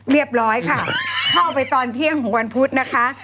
เรียบร้อยค่ะเข้าไปตอนเที่ยงของวันพุธนะคะ